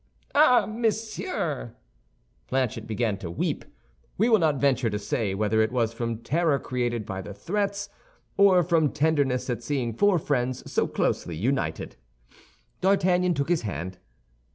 "Ah, monsieur!" Planchet began to weep. We will not venture to say whether it was from terror created by the threats or from tenderness at seeing four friends so closely united. D'Artagnan took his hand.